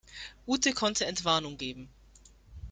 Ute konnte Entwarnung geben.